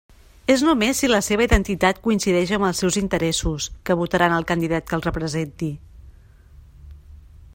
És només si la seva identitat coincideix amb els seus interessos, que votaran el candidat que els representi.